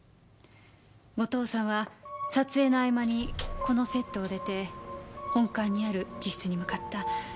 後藤さんは撮影の合間にこのセットを出て本館にある自室に向かった。